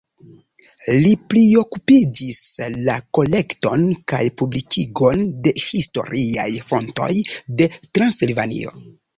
Li priokupiĝis la kolekton kaj publikigon de historiaj fontoj de Transilvanio.